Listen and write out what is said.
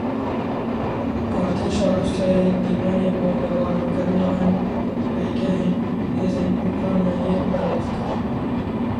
Artêşa Rûsyayê dîmenê bombebarankirina hin pêgehên hêzên Ukraynayê belav kir.